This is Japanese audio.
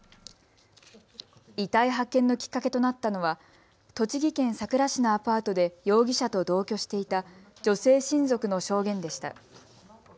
遺体発見のきっかけとなったのは栃木県さくら市のアパートで容疑者と同居していた女性親族の証言でした。